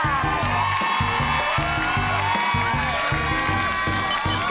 ขอบคุณค่ะ